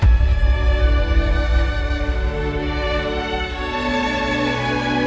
dengan tindakanitation lainnya